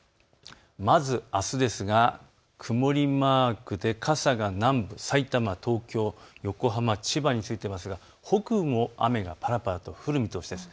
まず、あすですが曇りマークで、傘が南部さいたま、東京、横浜、千葉についていますが北部も雨がぱらぱらと降る見通しです。